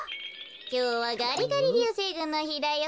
きょうはガリガリりゅうせいぐんのひだよ。